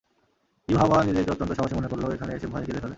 ইউহাওয়া নিজেকে অত্যন্ত সাহসী মনে করলেও এখানে এসে ভয়ে কেঁদে ফেলে।